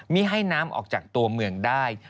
ไม่ให้น้ำออกจากตัวเมืองได้